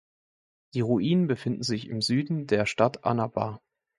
Die Ruinen befinden sich im Süden der Stadt Annaba.